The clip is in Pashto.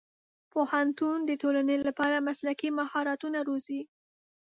پوهنتون د ټولنې لپاره مسلکي مهارتونه روزي.